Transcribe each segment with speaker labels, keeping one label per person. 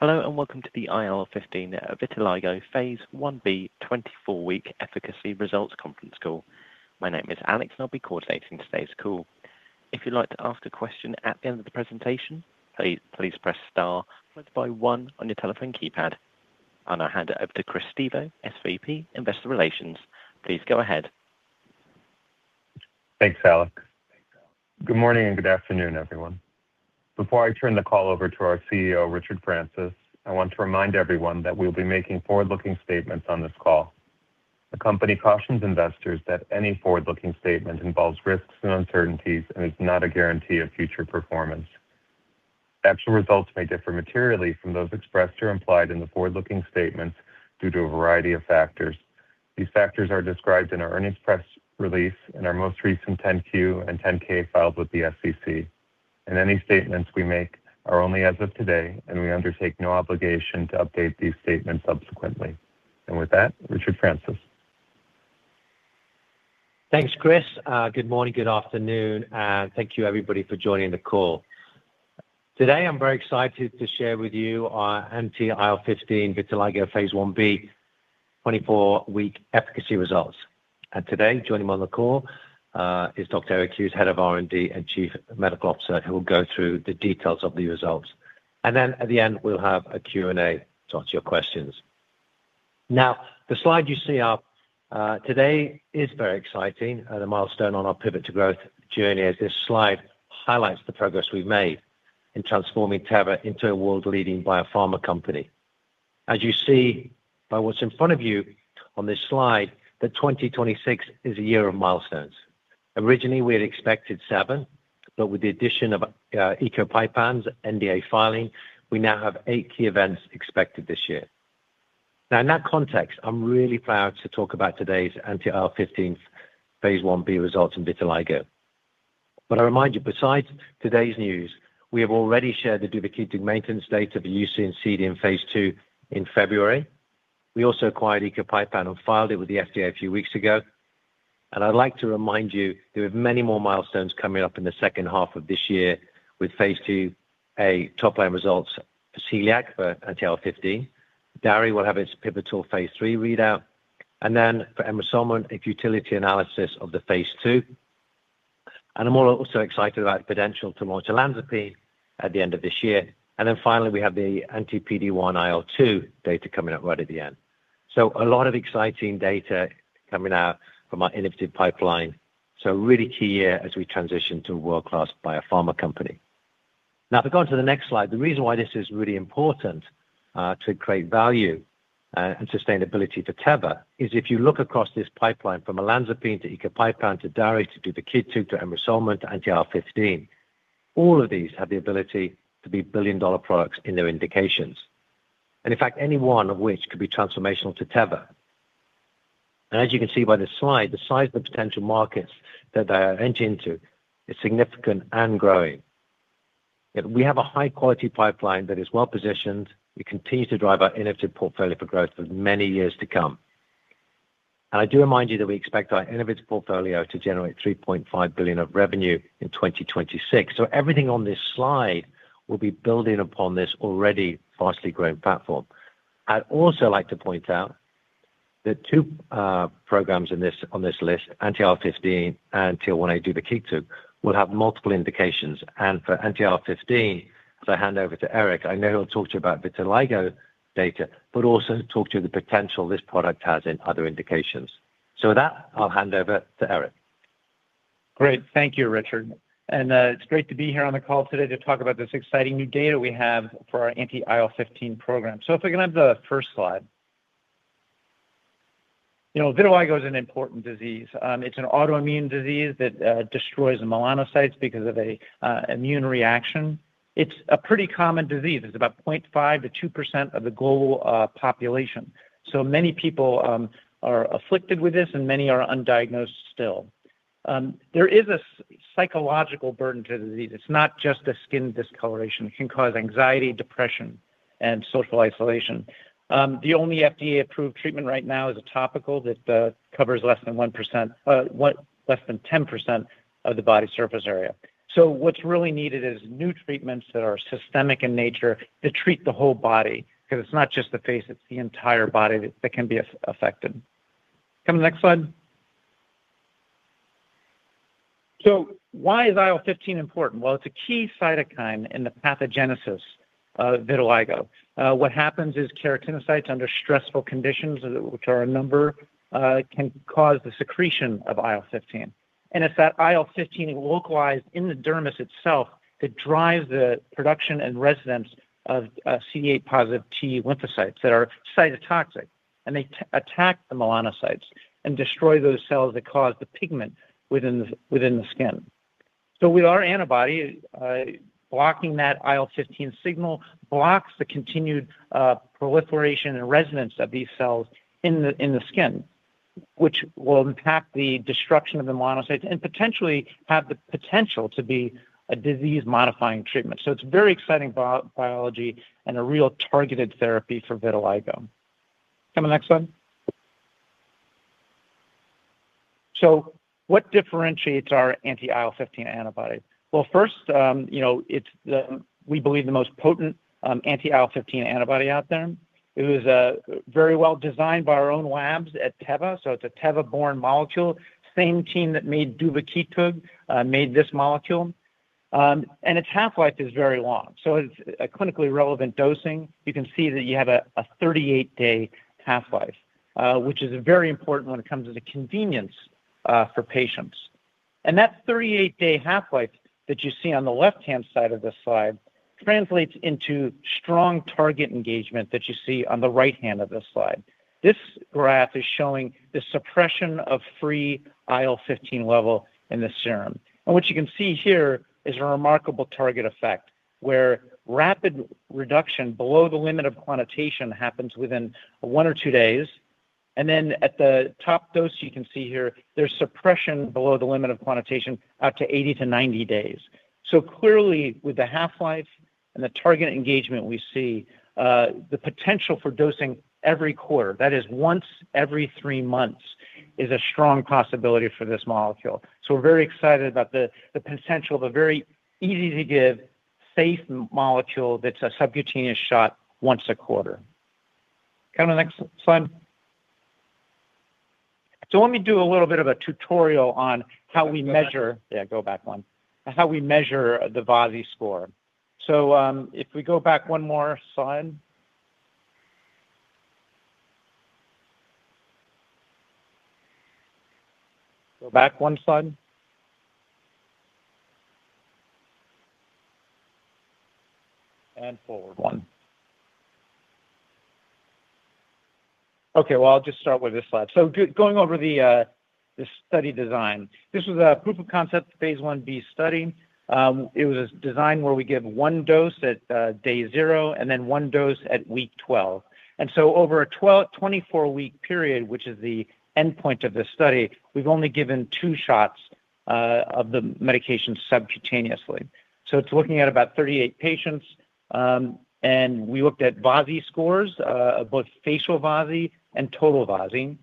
Speaker 1: Hello, welcome to the IL-15 vitiligo phase I-B 24-week efficacy results conference call. My name is Alex. I'll be coordinating today's call. If you'd like to ask a question at the end of the presentation, please press star followed by one on your telephone keypad. I'll now hand it over to Chris Stevo, SVP, Investor Relations. Please go ahead.
Speaker 2: Thanks, Alex. Good morning, good afternoon, everyone. Before I turn the call over to our CEO, Richard Francis, I want to remind everyone that we'll be making forward-looking statements on this call. The company cautions investors that any forward-looking statement involves risks and uncertainties and is not a guarantee of future performance. Actual results may differ materially from those expressed or implied in the forward-looking statements due to a variety of factors. These factors are described in our earnings press release and our most recent 10-Q and 10-K filed with the SEC. Any statements we make are only as of today, and we undertake no obligation to update these statements subsequently. With that, Richard Francis.
Speaker 3: Thanks, Chris. Good morning, good afternoon. Thank you everybody for joining the call. Today, I'm very excited to share with you our anti-IL-15 vitiligo phase I-B 24-week efficacy results. Today, joining me on the call is Dr. Eric Hughes, Head of R&D and Chief Medical Officer, who will go through the details of the results. Then at the end, we'll have a Q&A to answer your questions. The slide you see up today is very exciting and a milestone on our Pivot to Growth journey, as this slide highlights the progress we've made in transforming Teva into a world-leading biopharma company. As you see by what's in front of you on this slide, that 2026 is a year of milestones. Originally, we had expected seven, but with the addition of ecopipam's NDA filing, we now have eight key events expected this year. In that context, I'm really proud to talk about today's anti-IL-15 phase I-B results in vitiligo. I remind you, besides today's news, we have already shared the duvakitug maintenance data for UC and CD in phase II in February. We also acquired ecopipam and filed it with the FDA a few weeks ago. I'd like to remind you there are many more milestones coming up in the second half of this year with phase IIa top-line results for celiac for IL-15. DARI will have its pivotal phase III readout. Then for emricasan, a futility analysis of the phase II. I'm also excited about potential tomalanzapine at the end of this year. Then finally, we have the anti-PD-1/IL-2 data coming up right at the end. A lot of exciting data coming out from our innovative pipeline. Really key year as we transition to a world-class biopharma company. If we go on to the next slide, the reason why this is really important to create value and sustainability for Teva is if you look across this pipeline from olanzapine to ecopipam to DARI to duvakitug to emricasan, to IL-15, all of these have the ability to be $1 billion products in their indications. In fact, any one of which could be transformational to Teva. As you can see by this slide, the size of the potential markets that they are entering into is significant and growing. Yet we have a high-quality pipeline that is well-positioned. We continue to drive our innovative portfolio for growth for many years to come. I do remind you that we expect our innovative portfolio to generate $3.5 billion of revenue in 2026. Everything on this slide will be building upon this already fastly growing platform. I'd also like to point out that two programs on this list, anti-IL-15 and TL1A duvakitug, will have multiple indications. For anti-IL-15, as I hand over to Eric, I know he'll talk to you about vitiligo data, but also talk to you the potential this product has in other indications. With that, I'll hand over to Eric.
Speaker 4: Great. Thank you, Richard. It's great to be here on the call today to talk about this exciting new data we have for our anti-IL-15 program. If we can have the first slide. Vitiligo is an important disease. It's an autoimmune disease that destroys the melanocytes because of an immune reaction. It's a pretty common disease. It's about 0.5%-2% of the global population. Many people are afflicted with this, and many are undiagnosed still. There is a psychological burden to the disease. It's not just a skin discoloration. It can cause anxiety, depression, and social isolation. The only FDA-approved treatment right now is a topical that covers less than 10% of the body surface area. What's really needed is new treatments that are systemic in nature to treat the whole body. Because it's not just the face, it's the entire body that can be affected. Come to the next slide. Why is IL-15 important? Well, it's a key cytokine in the pathogenesis of vitiligo. What happens is keratinocytes under stressful conditions, which are a number, can cause the secretion of IL-15. It's that IL-15 localized in the dermis itself that drives the production and residence of CD8-positive T lymphocytes that are cytotoxic, and they attack the melanocytes and destroy those cells that cause the pigment within the skin. With our antibody, blocking that IL-15 signal blocks the continued proliferation and resonance of these cells in the skin, which will impact the destruction of the melanocytes and potentially have the potential to be a disease-modifying treatment. It's very exciting biology and a real targeted therapy for vitiligo. Come to the next slide. What differentiates our anti-IL-15 antibody? Well, first, it's, we believe the most potent anti-IL-15 antibody out there. It was very well designed by our own labs at Teva. It's a Teva-born molecule. Same team that made duvakitug made this molecule. Its half-life is very long. It's a clinically relevant dosing. You can see that you have a 38-day half-life, which is very important when it comes to the convenience for patients. That 38-day half-life that you see on the left-hand side of this slide translates into strong target engagement that you see on the right-hand of this slide. This graph is showing the suppression of free IL-15 level in the serum. What you can see here is a remarkable target effect where rapid reduction below the limit of quantitation happens within one or two days. At the top dose, you can see here, there's suppression below the limit of quantitation out to 80 to 90 days. Clearly, with the half-life and the target engagement we see, the potential for dosing every quarter, that is once every three months, is a strong possibility for this molecule. We're very excited about the potential of a very easy-to-give, safe molecule that's a subcutaneous shot once a quarter. Go to the next slide. Let me do a little bit of a tutorial on how we measure. Go back one. Yeah, go back one. How we measure the VASI score. If we go back one more slide. Go back one slide. Forward one. Okay, well, I'll just start with this slide. Going over the study design. This was a proof-of-concept phase I-B study. It was a design where we give one dose at day zero and then one dose at week 12. Over a 24-week period, which is the endpoint of this study, we've only given two shots of the medication subcutaneously. It's looking at about 38 patients. We looked at VASI scores of both F-VASI and T-VASI.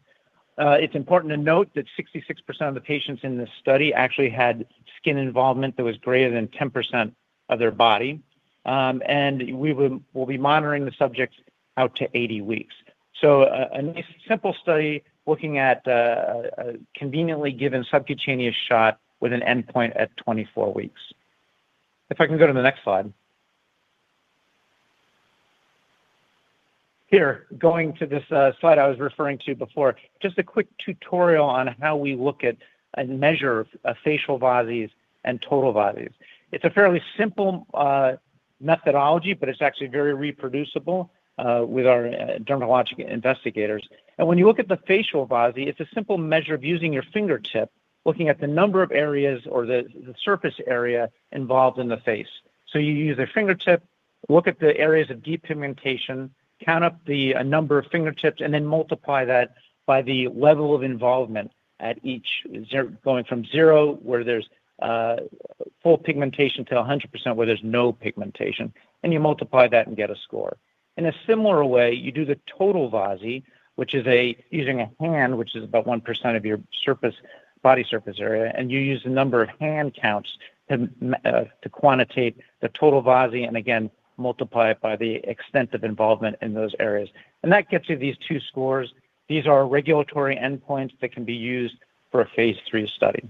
Speaker 4: It's important to note that 66% of the patients in this study actually had skin involvement that was greater than 10% of their body. We'll be monitoring the subjects out to 80 weeks. A simple study looking at a conveniently given subcutaneous shot with an endpoint at 24 weeks. If I can go to the next slide. Here, going to this slide I was referring to before. Just a quick tutorial on how we look at and measure F-VASIs and T-VASIs. It's a fairly simple methodology, but it's actually very reproducible with our dermatologic investigators. When you look at the F-VASI, it's a simple measure of using your fingertip, looking at the number of areas or the surface area involved in the face. You use a fingertip, look at the areas of depigmentation, count up the number of fingertips, then multiply that by the level of involvement at each, going from zero where there's full pigmentation to 100% where there's no pigmentation. You multiply that and get a score. In a similar way, you do the T-VASI, which is using a hand, which is about 1% of your body surface area, you use the number of hand counts to quantitate the T-VASI, again, multiply it by the extent of involvement in those areas. That gets you these two scores. These are regulatory endpoints that can be used for a phase III study.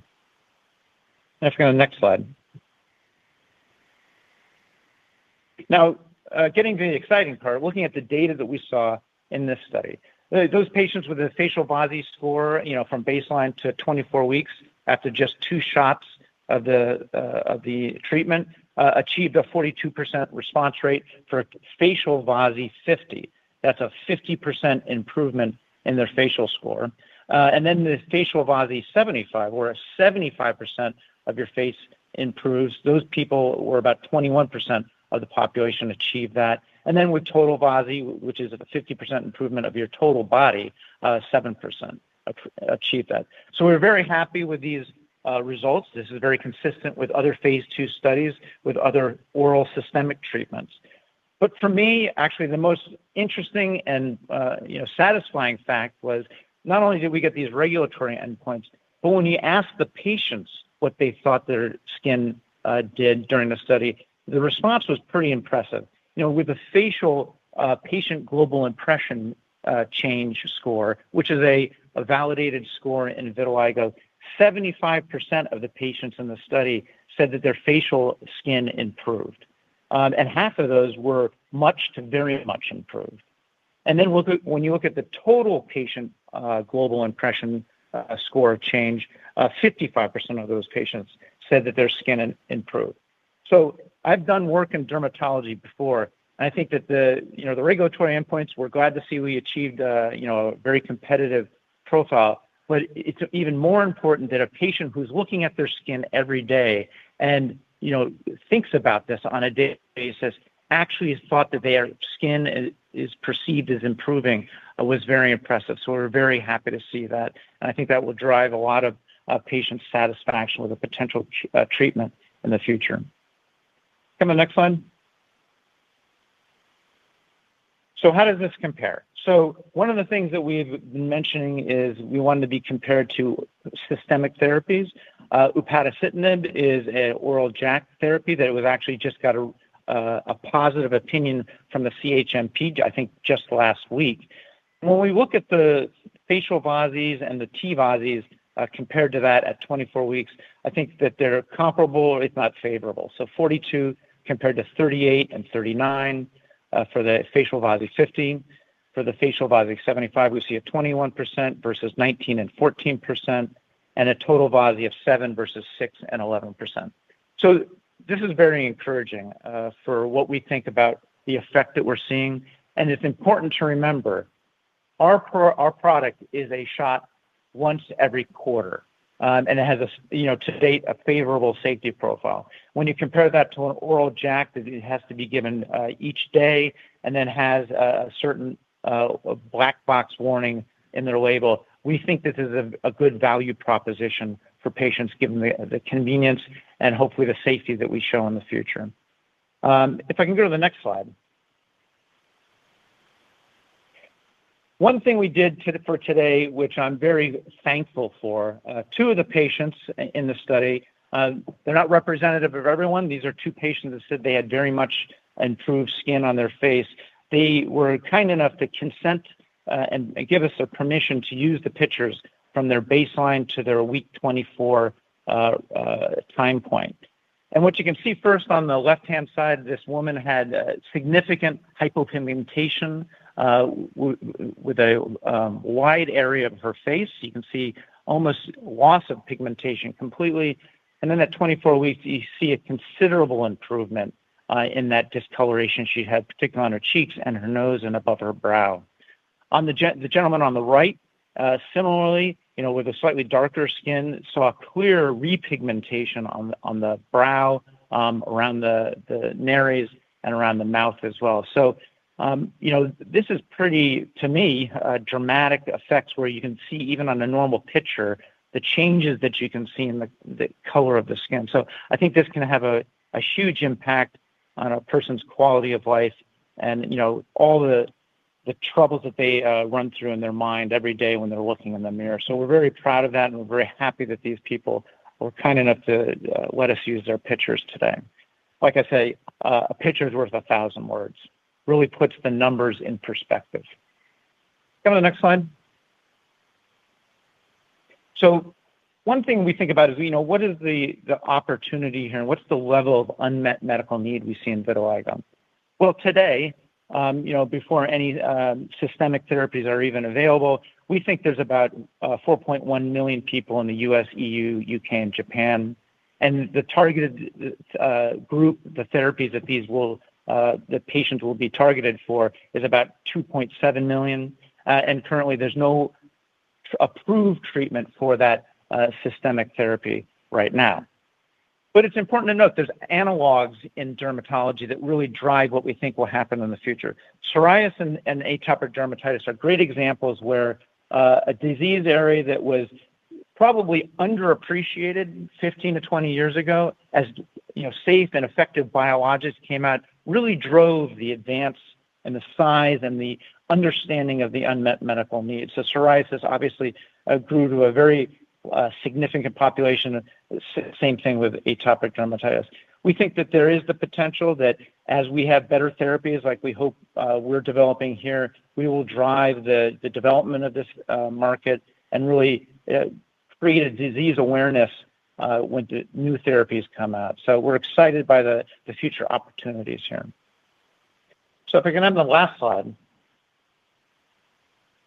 Speaker 4: Now if we go to the next slide. Getting to the exciting part, looking at the data that we saw in this study. Those patients with a facial VASI score from baseline to 24 weeks after just two shots of the treatment achieved a 42% response rate for F-VASI50. That's a 50% improvement in their facial score. And then the F-VASI75, where 75% of your face improves, those people, or about 21% of the population achieved that. And then with T-VASI, which is a 50% improvement of your total body, 7% achieved that. We're very happy with these results. This is very consistent with other phase II studies with other oral systemic treatments. For me, actually, the most interesting and satisfying fact was not only did we get these regulatory endpoints, but when you ask the patients what they thought their skin did during the study, the response was pretty impressive. With the facial Patient Global Impression of Change score, which is a validated score in vitiligo, 75% of the patients in the study said that their facial skin improved. And half of those were much to very much improved. And then when you look at the total Patient Global Impression of Change score, 55% of those patients said that their skin improved. I've done work in dermatology before. I think that the regulatory endpoints, we're glad to see we achieved a very competitive profile. It's even more important that a patient who's looking at their skin every day and thinks about this on a daily basis actually thought that their skin is perceived as improving was very impressive. We're very happy to see that. And I think that will drive a lot of patient satisfaction with a potential treatment in the future. Go to the next slide. How does this compare? One of the things that we've been mentioning is we wanted to be compared to systemic therapies. upadacitinib is an oral JAK therapy that it was actually just got a positive opinion from the CHMP, I think, just last week. When we look at the F-VASIs and the T-VASIs, compared to that at 24 weeks, I think that they're comparable, if not favorable. 42 compared to 38 and 39, for the facial VASI at 50. For the F-VASI75, we see a 21% versus 19% and 14%, and a T-VASI of 7% versus 6% and 11%. This is very encouraging, for what we think about the effect that we're seeing. And it's important to remember, our product is a shot once every quarter. And it has, to date, a favorable safety profile. When you compare that to an oral JAK that it has to be given each day and then has a certain, a black box warning in their label, we think this is a good value proposition for patients given the convenience and hopefully the safety that we show in the future. If I can go to the next slide. One thing we did for today, which I'm very thankful for, two of the patients in the study, they're not representative of everyone. These are two patients that said they had very much improved skin on their face. They were kind enough to consent and give us their permission to use the pictures from their baseline to their week 24 time point. What you can see first on the left-hand side, this woman had significant hypopigmentation, with a wide area of her face. You can see almost loss of pigmentation completely. At 24 weeks, you see a considerable improvement in that discoloration she had, particularly on her cheeks and her nose and above her brow. The gentleman on the right, similarly, with a slightly darker skin, saw clear repigmentation on the brow, around the nares, and around the mouth as well. This is pretty, to me, dramatic effects where you can see, even on a normal picture, the changes that you can see in the color of the skin. I think this can have a huge impact on a person's quality of life and all the troubles that they run through in their mind every day when they're looking in the mirror. We're very proud of that, and we're very happy that these people were kind enough to let us use their pictures today. Like I say, a picture is worth a thousand words. Really puts the numbers in perspective. Go to the next slide. One thing we think about is, what is the opportunity here? What's the level of unmet medical need we see in vitiligo? Today, before any systemic therapies are even available, we think there's about 4.1 million people in the U.S., EU, U.K., and Japan. The targeted group, the therapies that the patients will be targeted for is about 2.7 million. Currently, there's no approved treatment for that systemic therapy right now. It's important to note there's analogs in dermatology that really drive what we think will happen in the future. Psoriasis and atopic dermatitis are great examples where a disease area that was probably underappreciated 15 to 20 years ago, as safe and effective biologics came out, really drove the advance and the size and the understanding of the unmet medical needs. Psoriasis obviously grew to a very significant population. Same thing with atopic dermatitis. We think that there is the potential that as we have better therapies, like we hope we're developing here, we will drive the development of this market and really create a disease awareness when new therapies come out. We're excited by the future opportunities here. If we can have the last slide.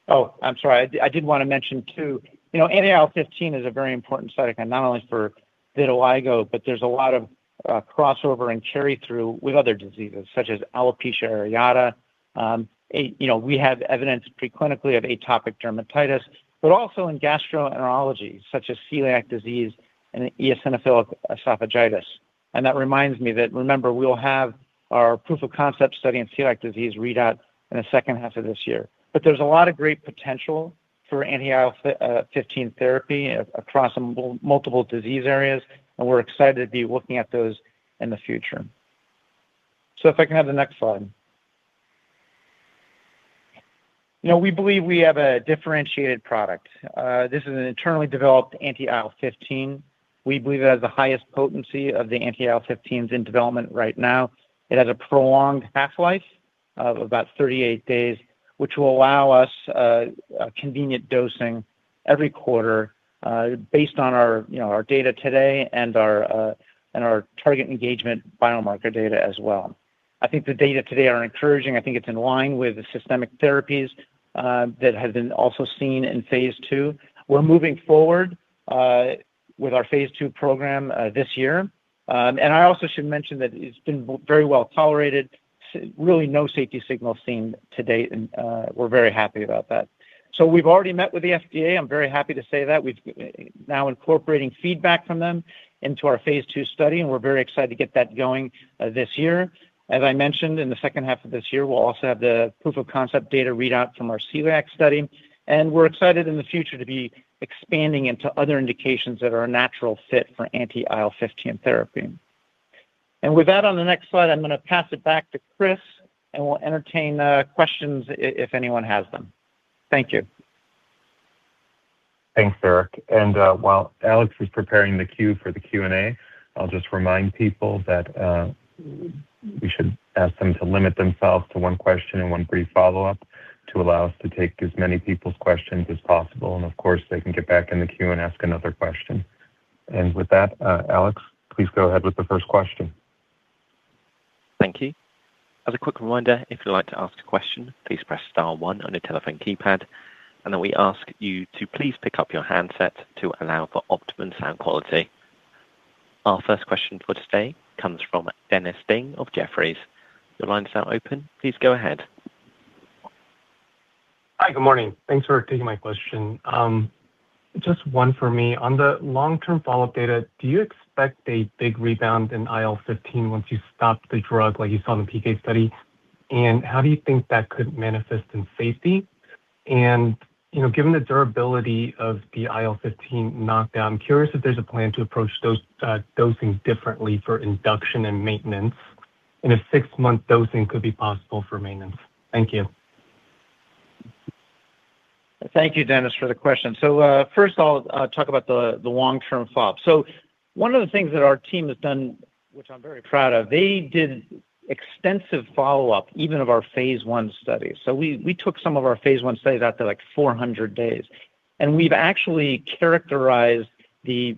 Speaker 4: Oh, I'm sorry. I did want to mention, too, anti-IL-15 is a very important cytokine, not only for vitiligo, but there's a lot of crossover and carry-through with other diseases, such as alopecia areata. We have evidence pre-clinically of atopic dermatitis, but also in gastroenterology, such as celiac disease and eosinophilic esophagitis. That reminds me that, remember, we'll have our proof of concept study in celiac disease readout in the second half of this year. There's a lot of great potential for anti-IL-15 therapy across multiple disease areas, and we're excited to be looking at those in the future. If I can have the next slide. We believe we have a differentiated product. This is an internally developed anti-IL-15. We believe it has the highest potency of the anti-IL-15s in development right now. It has a prolonged half-life of about 38 days, which will allow us convenient dosing every quarter, based on our data today and our target engagement biomarker data as well. I think the data today are encouraging. I think it's in line with the systemic therapies that have been also seen in phase II. We're moving forward with our phase II program this year. I also should mention that it's been very well tolerated. Really no safety signals seen to date, and we're very happy about that. We've already met with the FDA. I'm very happy to say that. We're now incorporating feedback from them into our phase II study, and we're very excited to get that going this year. As I mentioned, in the second half of this year, we'll also have the proof of concept data readout from ourceliac study. We're excited in the future to be expanding into other indications that are a natural fit for anti-IL-15 therapy. With that, on the next slide, I'm going to pass it back to Chris, and we'll entertain questions if anyone has them. Thank you.
Speaker 2: Thanks, Eric. While Alex is preparing the queue for the Q&A, I'll just remind people that we should ask them to limit themselves to one question and one brief follow-up to allow us to take as many people's questions as possible. Of course, they can get back in the queue and ask another question. With that, Alex, please go ahead with the first question.
Speaker 1: Thank you. As a quick reminder, if you'd like to ask a question, please press star one on your telephone keypad, then we ask you to please pick up your handset to allow for optimum sound quality. Our first question for today comes from Dennis Ding of Jefferies. Your line is now open. Please go ahead.
Speaker 5: Hi, good morning. Thanks for taking my question. Just one for me. On the long-term follow-up data, do you expect a big rebound in IL-15 once you stop the drug like you saw in the PK study? How do you think that could manifest in safety? Given the durability of the IL-15 knockdown, curious if there's a plan to approach dosing differently for induction and maintenance, and if six-month dosing could be possible for maintenance. Thank you.
Speaker 4: Thank you, Dennis, for the question. First of all, I'll talk about the long-term follow-up. One of the things that our team has done, which I'm very proud of, they did extensive follow-up even of our phase I study. We took some of our phase I studies out to like 400 days, and we've actually characterized the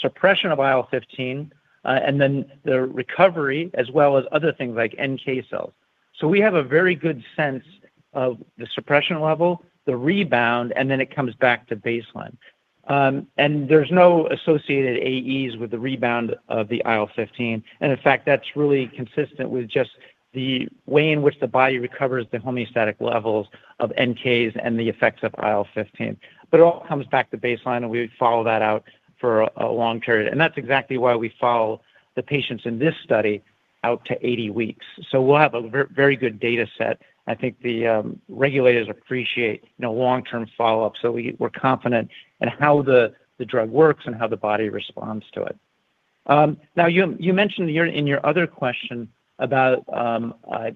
Speaker 4: suppression of IL-15 and then the recovery as well as other things like NK cells. We have a very good sense of the suppression level, the rebound, and then it comes back to baseline. There's no associated AEs with the rebound of the IL-15. In fact, that's really consistent with just the way in which the body recovers the homeostatic levels of NKs and the effects of IL-15. It all comes back to baseline, and we follow that out for a long period. That's exactly why we follow the patients in this study out to 80 weeks. We'll have a very good data set. I think the regulators appreciate long-term follow-up. We're confident in how the drug works and how the body responds to it. Now, you mentioned in your other question about,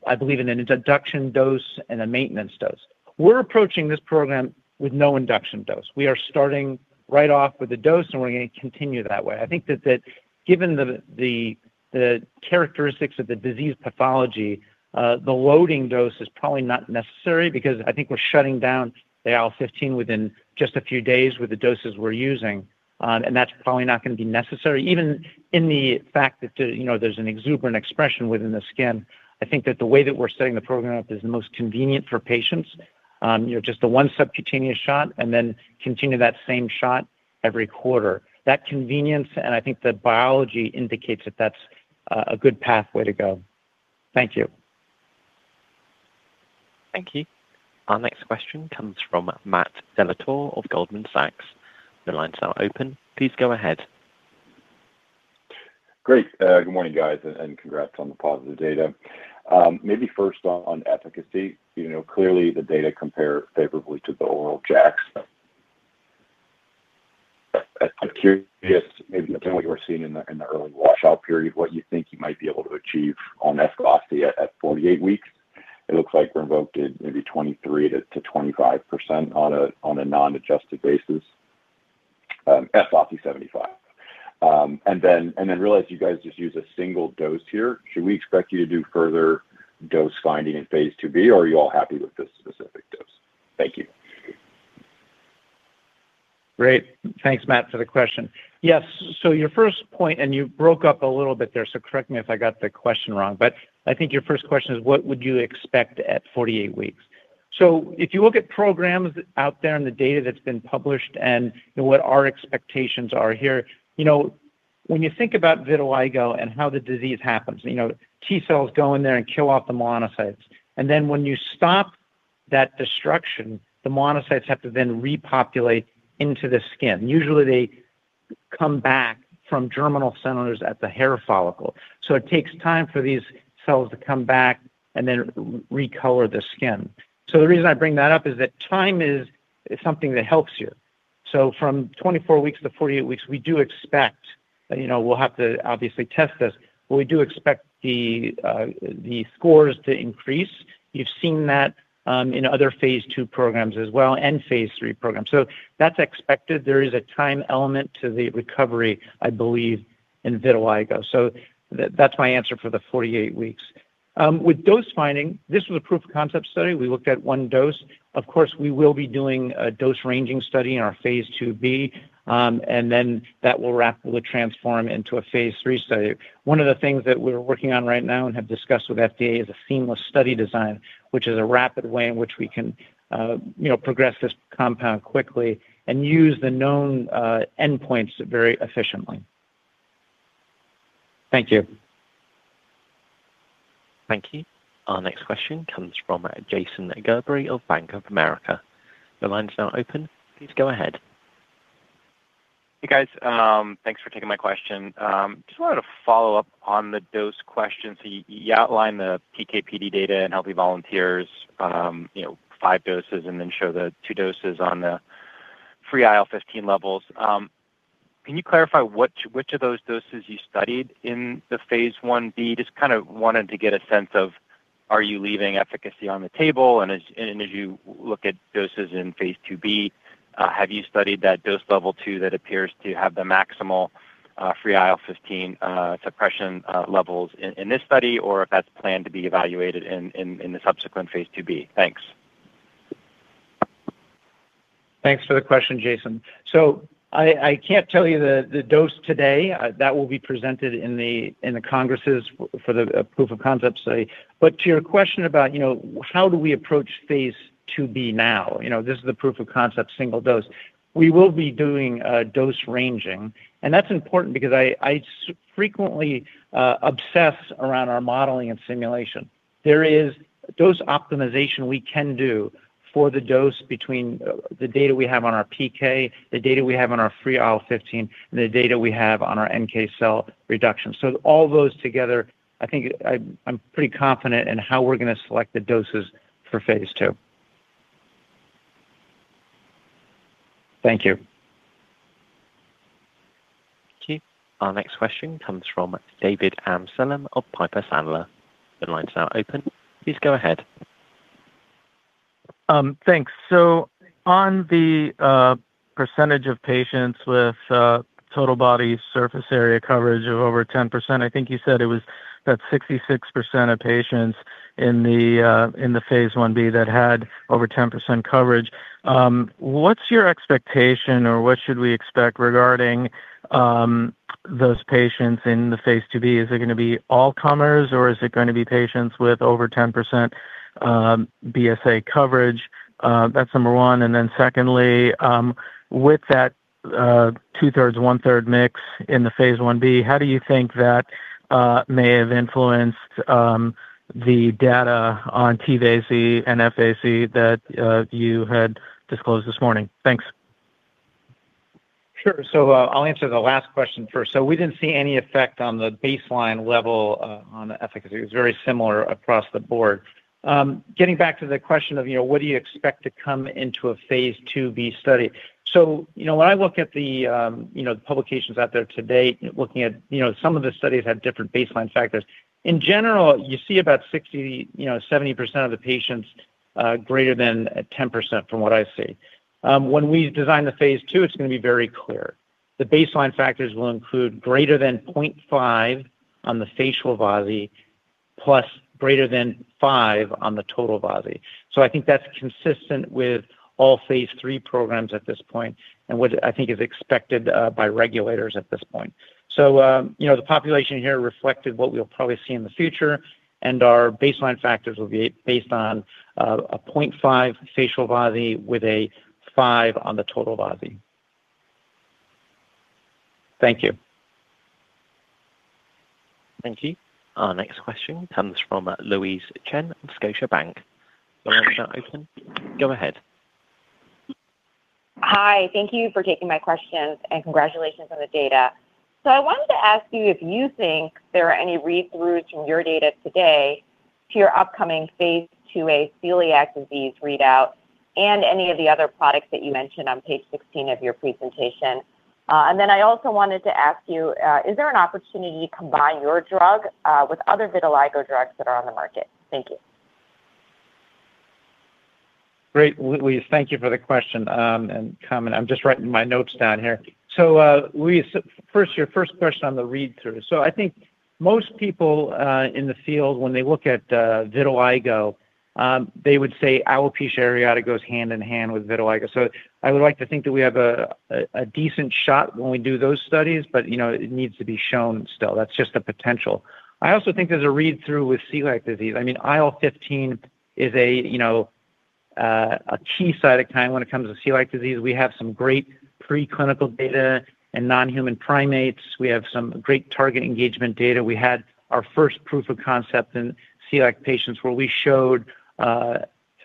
Speaker 4: I believe in an induction dose and a maintenance dose. We're approaching this program with no induction dose. We are starting right off with a dose, and we're going to continue that way. I think that given the characteristics of the disease pathology, the loading dose is probably not necessary because I think we're shutting down the IL-15 within just a few days with the doses we're using, and that's probably not going to be necessary. Even in the fact that there's an exuberant expression within the skin, I think that the way that we're setting the program up is the most convenient for patients. Just the one subcutaneous shot and then continue that same shot every quarter. That convenience, I think the biology indicates that that's a good pathway to go. Thank you.
Speaker 1: Thank you. Our next question comes from Matt Dellatorre of Goldman Sachs. Your line's now open. Please go ahead.
Speaker 6: Great. Good morning, guys, and congrats on the positive data. First on efficacy. Clearly, the data compare favorably to the oral JAKs. I'm curious, maybe depending on what you were seeing in the early washout period, what you think you might be able to achieve on F-VASI75 at 48 weeks. It looks like RINVOQ did maybe 23%-25% on a non-adjusted basis, F-VASI75. Realize you guys just use a single dose here. Should we expect you to do further dose finding in phase IIb, or are you all happy with this specific dose? Thank you.
Speaker 4: Great. Thanks, Matt, for the question. Yes. Your first point, and you broke up a little bit there, so correct me if I got the question wrong, but I think your first question is what would you expect at 48 weeks. If you look at programs out there and the data that's been published and what our expectations are here, when you think about vitiligo and how the disease happens, T cells go in there and kill off the melanocytes. When you stop that destruction, the melanocytes have to then repopulate into the skin. Usually, they come back from germinal centers at the hair follicle. It takes time for these cells to come back and then recolor the skin. The reason I bring that up is that time is something that helps you. From 24 weeks to the 48 weeks, we do expect that we'll have to obviously test this, but we do expect the scores to increase. You've seen that in other phase II programs as well and phase III programs. That's expected. There is a time element to the recovery, I believe, in vitiligo. That's my answer for the 48 weeks. With dose finding, this was a proof-of-concept study. We looked at one dose. Of course, we will be doing a dose ranging study in our phase IIb, and then that will rapidly transform into a phase III study. One of the things that we're working on right now and have discussed with FDA is a seamless study design, which is a rapid way in which we can progress this compound quickly and use the known endpoints very efficiently. Thank you.
Speaker 1: Thank you. Our next question comes from Jason Gerberry of Bank of America. Your line is now open. Please go ahead.
Speaker 7: Hey, guys. Thanks for taking my question. Just wanted to follow up on the dose question. You outlined the PK/PD data in healthy volunteers, five doses and then show the two doses on the free IL-15 levels. Can you clarify which of those doses you studied in the phase I-B? Just kind of wanted to get a sense of are you leaving efficacy on the table and as you look at doses in phase II-B, have you studied that dose level 2 that appears to have the maximal free IL-15 suppression levels in this study? Or if that's planned to be evaluated in the subsequent phase II-B. Thanks.
Speaker 4: Thanks for the question, Jason. I can't tell you the dose today. That will be presented in the congresses for the proof-of-concept study. To your question about how do we approach phase II-B now, this is the proof-of-concept single dose. We will be doing dose ranging, and that's important because I frequently obsess around our modeling and simulation. There is dose optimization we can do for the dose between the data we have on our PK, the data we have on our free IL-15, and the data we have on our NK cell reduction. All those together, I think I'm pretty confident in how we're going to select the doses for phase II.
Speaker 7: Thank you.
Speaker 1: Okay. Our next question comes from David Amsellem of Piper Sandler. The line's now open. Please go ahead.
Speaker 8: Thanks. On the percentage of patients with total body surface area coverage of over 10%, I think you said it was that 66% of patients in the phase I-B that had over 10% coverage. What's your expectation or what should we expect regarding those patients in the phase II-B? Is it going to be all comers or is it going to be patients with over 10% BSA coverage? That's number one. Secondly, with that two-thirds, one-third mix in the phase I-B, how do you think that may have influenced the data on T-VASI and F-VASI that you had disclosed this morning? Thanks.
Speaker 4: Sure. I'll answer the last question first. We didn't see any effect on the baseline level on the efficacy. It was very similar across the board. Getting back to the question of what do you expect to come into a phase II-B study. When I look at the publications out there to date, looking at some of the studies have different baseline factors. In general, you see about 60%, 70% of the patients greater than 10% from what I see. When we design the phase II, it's going to be very clear. The baseline factors will include greater than 0.5 on the facial VASI plus greater than five on the total VASI. I think that's consistent with all phase III programs at this point and what I think is expected by regulators at this point. The population here reflected what we'll probably see in the future, and our baseline factors will be based on a 0.5 facial VASI with a five on the total VASI.
Speaker 8: Thank you.
Speaker 1: Thank you. Our next question comes from Louise Chen of Scotiabank. Your line is now open. Go ahead.
Speaker 9: Hi. Thank you for taking my questions, and congratulations on the data. I wanted to ask you if you think there are any read-throughs from your data today to your upcoming phase IIa celiac disease readout and any of the other products that you mentioned on page 16 of your presentation. I also wanted to ask you, is there an opportunity to combine your drug with other vitiligo drugs that are on the market? Thank you.
Speaker 4: Great. Louise, thank you for the question and comment. I'm just writing my notes down here. Louise, your first question on the read-through. I think most people in the field, when they look at vitiligo, they would say alopecia areata goes hand in hand with vitiligo. I would like to think that we have a decent shot when we do those studies, but it needs to be shown still. That's just a potential. I also think there's a read-through with celiac disease. IL-15 is a key cytokine when it comes to celiac disease. We have some great preclinical data in non-human primates. We have some great target engagement data. We had our first proof of concept in celiac patients where we showed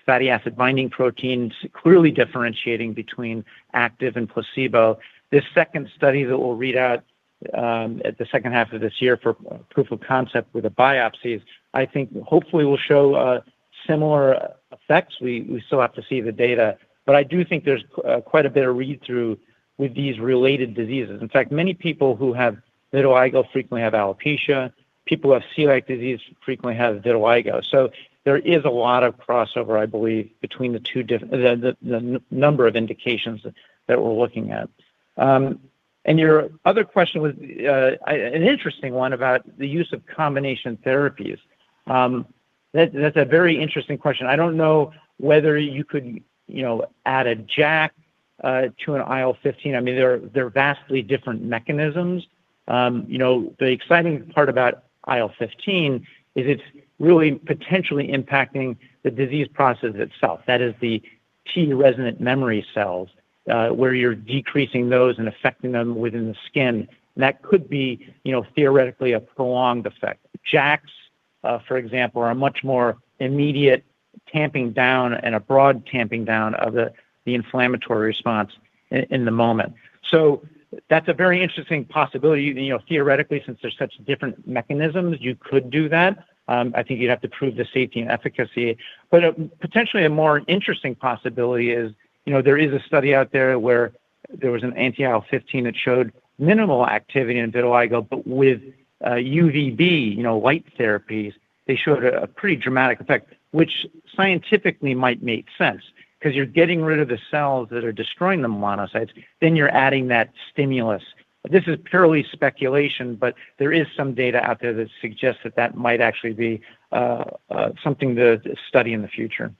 Speaker 4: fatty acid-binding proteins clearly differentiating between active and placebo. This second study that we'll read out at the second half of this year for proof of concept with the biopsies, I think hopefully will show similar effects. We still have to see the data. I do think there's quite a bit of read-through with these related diseases. In fact, many people who have vitiligo frequently have alopecia. People who have celiac disease frequently have vitiligo. There is a lot of crossovers, I believe, between the number of indications that we're looking at. Your other question was an interesting one about the use of combination therapies. That's a very interesting question. I don't know whether you could add a JAK to an IL-15. They're vastly different mechanisms. The exciting part about IL-15 is it's really potentially impacting the disease process itself. That is the T resident memory cells, where you're decreasing those and affecting them within the skin. That could be theoretically a prolonged effect. JAKs, for example, are much more immediate tamping down and a broad tamping down of the inflammatory response in the moment. That's a very interesting possibility. Theoretically, since they're such different mechanisms, you could do that. I think you'd have to prove the safety and efficacy. Potentially a more interesting possibility is there is a study out there where there was an anti-IL-15 that showed minimal activity in vitiligo, but with UVB light therapies, they showed a pretty dramatic effect, which scientifically might make sense because you're getting rid of the cells that are destroying the melanocytes, then you're adding that stimulus. This is purely speculation. There is some data out there that suggests that that might actually be something to study in the future.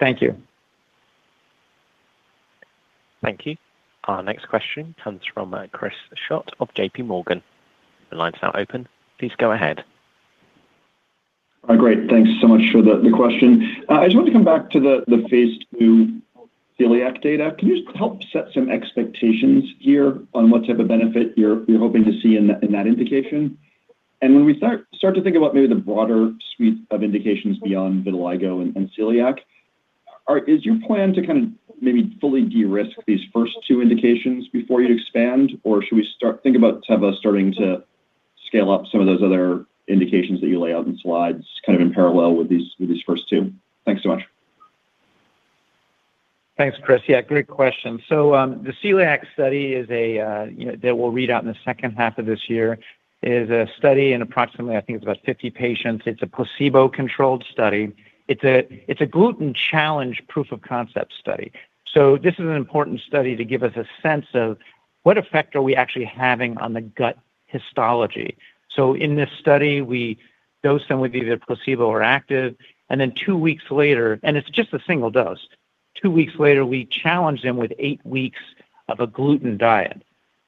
Speaker 4: Thank you.
Speaker 1: Thank you. Our next question comes from Chris Schott of J.P. Morgan. Your line's now open. Please go ahead.
Speaker 10: Great. Thanks so much for the question. I just want to come back to the phase II celiac data. Can you help set some expectations here on what type of benefit you're hoping to see in that indication? When we start to think about maybe the broader suite of indications beyond vitiligo and celiac, is your plan to maybe fully de-risk these first two indications before you expand? Should we think about Teva starting to scale up some of those other indications that you lay out in slides kind of in parallel with these first two? Thanks so much.
Speaker 4: Thanks, Chris. Yeah, great question. The celiac study that will read out in the second half of this year is a study in approximately, I think it's about 50 patients. It's a placebo-controlled study. It's a gluten challenge proof of concept study. This is an important study to give us a sense of what effect are we actually having on the gut histology. In this study, we dose them with either placebo or active, then two weeks later-- and it's just a single dose. Two weeks later, we challenge them with eight weeks of a gluten diet.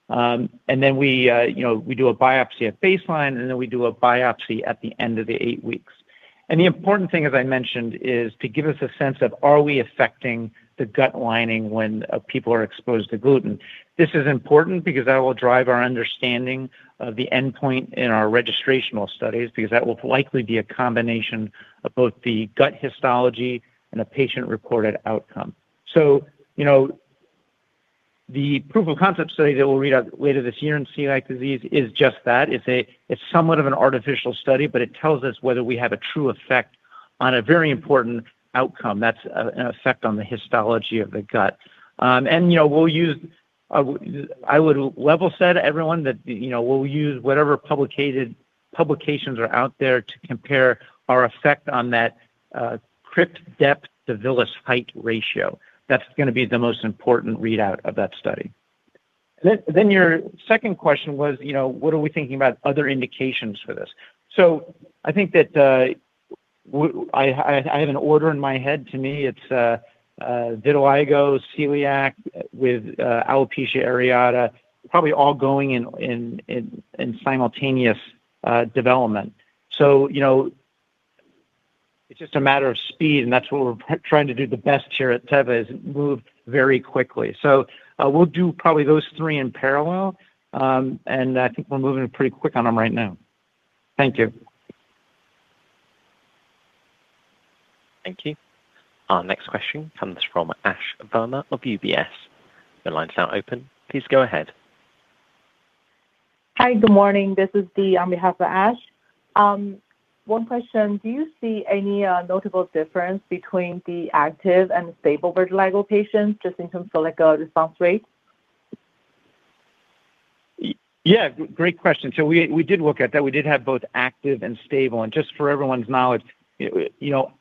Speaker 4: Then we do a biopsy at baseline, and then we do a biopsy at the end of the eight weeks. The important thing, as I mentioned, is to give us a sense of, are we affecting the gut lining when people are exposed to gluten? This is important because that will drive our understanding of the endpoint in our registrational studies, because that will likely be a combination of both the gut histology and a patient-reported outcome. The proof-of-concept study that we'll read out later this year in celiac disease is just that. It's somewhat of an artificial study, but it tells us whether we have a true effect on a very important outcome. That's an effect on the histology of the gut. I would level set everyone that we'll use whatever publications are out there to compare our effect on that crypt depth to villus height ratio. That's going to be the most important readout of that study. Your second question was, what are we thinking about other indications for this? I think that I have an order in my head. To me, it's vitiligo, celiac with alopecia areata, probably all going in simultaneous development. It's just a matter of speed, and that's what we're trying to do the best here at Teva is move very quickly. We'll do probably those three in parallel, and I think we're moving pretty quick on them right now. Thank you.
Speaker 1: Thank you. Our next question comes from Ash Verma of UBS. Your line's now open. Please go ahead.
Speaker 11: Hi. Good morning. This is Dee on behalf of Ash. One question. Do you see any notable difference between the active and stable vitiligo patients just in terms of response rates?
Speaker 4: Yeah, great question. We did look at that. We did have both active and stable. Just for everyone's knowledge,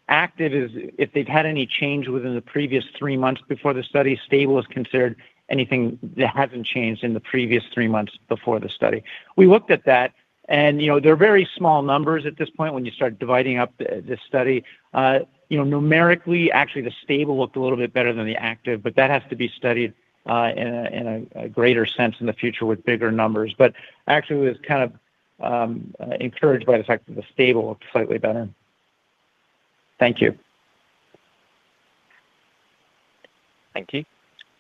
Speaker 4: active is if they've had any change within the previous three months before the study. Stable is considered anything that hasn't changed in the previous three months before the study. We looked at that; they're very small numbers at this point when you start dividing up this study. Numerically, actually, the stable looked a little bit better than the active, that has to be studied in a greater sense in the future with bigger numbers. Actually, it was kind of encouraged by the fact that the stable looked slightly better.
Speaker 11: Thank you.
Speaker 1: Thank you.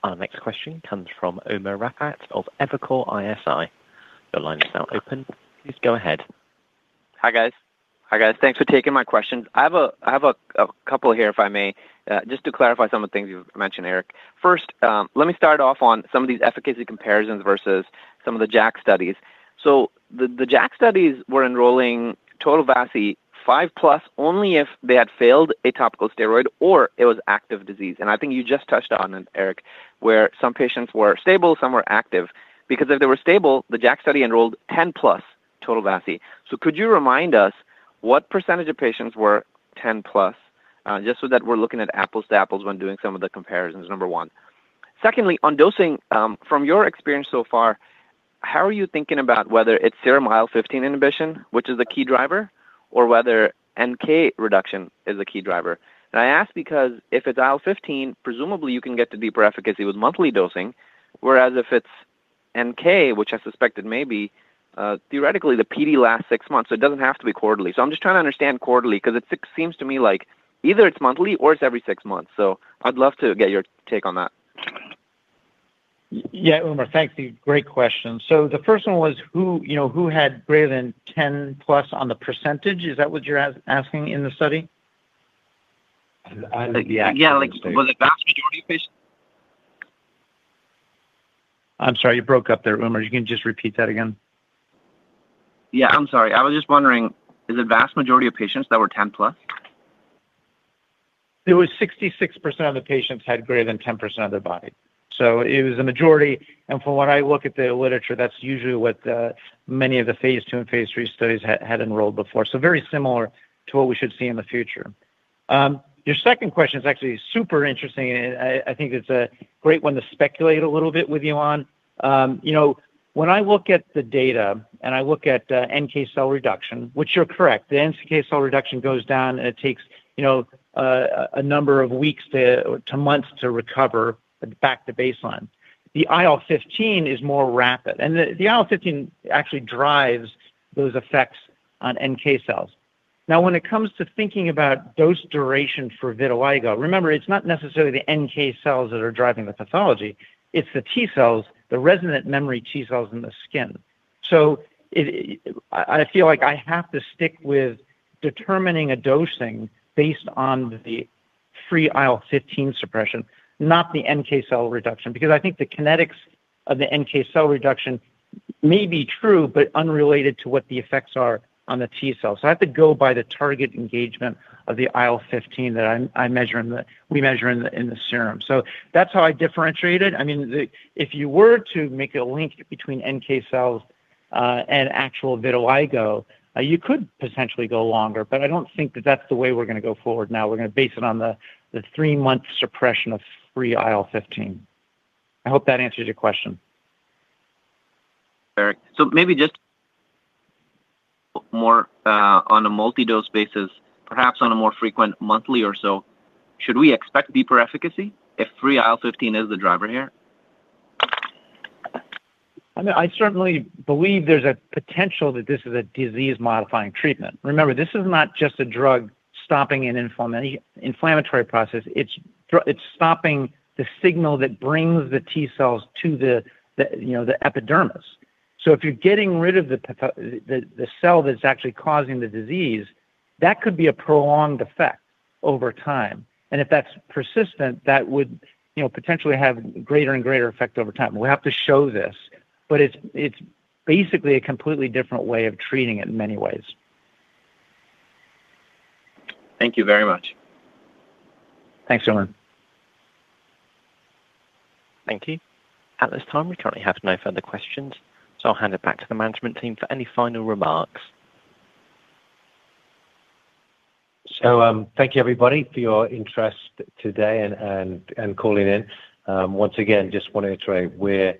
Speaker 1: Our next question comes from Umer Raffat of Evercore ISI. Your line is now open. Please go ahead.
Speaker 12: Hi, guys. Thanks for taking my questions. I have a couple here, if I may, just to clarify some of the things you've mentioned, Eric. First, let me start off on some of these efficacy comparisons versus some of the JAK studies. The JAK studies were enrolling total VASI 5-plus, only if they had failed a topical steroid or it was active disease. I think you just touched on it, Eric, where some patients were stable, some were active. If they were stable, the JAK study enrolled 10-plus total VASI. Could you remind us, what % of patients were 10-plus, just so that we're looking at apples to apples when doing some of the comparisons, number one. Secondly, on dosing, from your experience so far, how are you thinking about whether it's serum IL-15 inhibition, which is the key driver, or whether NK reduction is a key driver? I ask because if it's IL-15, presumably you can get to deeper efficacy with monthly dosing, whereas if it's NK, which I suspect it may be, theoretically the PD lasts six months, it doesn't have to be quarterly. I'm just trying to understand quarterly, because it seems to me like either its monthly or it's every six months. I'd love to get your take on that.
Speaker 4: Yeah. Umer, thank you. Great question. The first one was who had greater than 10-plus on the %? Is that what you're asking in the study?
Speaker 12: Yeah. Was the vast majority of patients-
Speaker 4: I'm sorry, you broke up there, Umer. You can just repeat that again?
Speaker 12: Yeah, I'm sorry. I was just wondering, is it vast majority of patients that were 10+?
Speaker 4: It was 66% of the patients had greater than 10% of their body. It was a majority, and from what I look at the literature, that's usually what many of the phase II and phase III studies had enrolled before. Very similar to what we should see in the future. Your second question is actually super interesting, and I think it's a great one to speculate a little bit with you on. When I look at the data and I look at NK cell reduction, which you're correct, the NK cell reduction goes down, and it takes a number of weeks to months to recover back to baseline. The IL-15 is more rapid, and the IL-15 actually drives those effects on NK cells. When it comes to thinking about dose duration for vitiligo, remember, it's not necessarily the NK cells that are driving the pathology, it's the T cells, the resident memory T cells in the skin. I feel like I have to stick with determining a dosing based on the free IL-15 suppression, not the NK cell reduction, because I think the kinetics of the NK cell reduction may be true, but unrelated to what the effects are on the T cells. I have to go by the target engagement of the IL-15 that we measure in the serum. That's how I differentiate it. If you were to make a link between NK cells and actual vitiligo, you could potentially go longer, but I don't think that that's the way we're going to go forward now. We're going to base it on the 3-month suppression of free IL-15. I hope that answers your question.
Speaker 12: Sure. Maybe just more on a multi-dose basis, perhaps on a more frequent monthly or so, should we expect deeper efficacy if free IL-15 is the driver here?
Speaker 4: I certainly believe there's a potential that this is a disease-modifying treatment. Remember, this is not just a drug stopping an inflammatory process. It's stopping the signal that brings the T cells to the epidermis. If you're getting rid of the cell that's actually causing the disease, that could be a prolonged effect over time. If that's persistent, that would potentially have a greater and greater effect over time. We have to show this, but it's basically a completely different way of treating it in many ways.
Speaker 12: Thank you very much.
Speaker 4: Thanks, Umer.
Speaker 1: Thank you. At this time, we currently have no further questions, I'll hand it back to the management team for any final remarks.
Speaker 3: Thank you everybody for your interest today and calling in. Once again, just want to reiterate, we're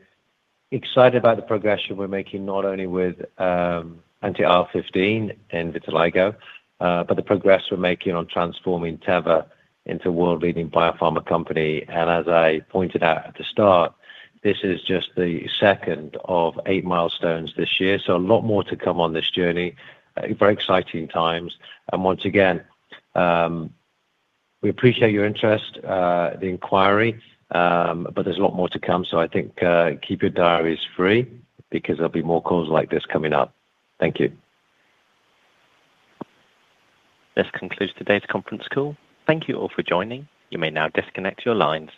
Speaker 3: excited about the progression we're making not only with anti-IL-15 in vitiligo, but the progress we're making on transforming Teva into a world-leading biopharma company. As I pointed out at the start, this is just the second of eight milestones this year. A lot more to come on this journey. Very exciting times. Once again, we appreciate your interest, the inquiry, but there's a lot more to come. I think keep your diaries free because there'll be more calls like this coming up. Thank you.
Speaker 1: This concludes today's conference call. Thank you all for joining. You may now disconnect your lines.